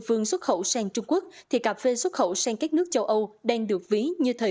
phương xuất khẩu sang trung quốc thì cà phê xuất khẩu sang các nước châu âu đang được ví như thời